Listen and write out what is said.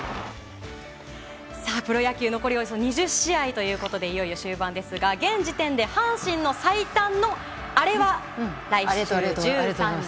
プロ野球は残りおよそ２０試合といよいよ終盤ですが現時点で阪神の最短のアレは来週１３日。